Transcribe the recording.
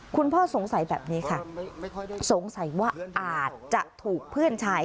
คุณพ่อสงสัยแบบนี้ค่ะสงสัยว่าอาจจะถูกเพื่อนชาย